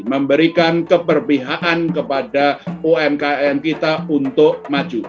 memberikan keperpihakan kepada umkm kita untuk maju